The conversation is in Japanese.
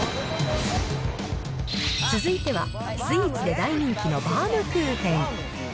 続いては、スイーツで大人気のバームクーヘン。